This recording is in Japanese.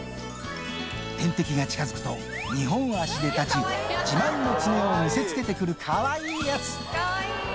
天敵が近づくと、２本足で立ち、自慢の爪を見せつけてくるかわいいやつ。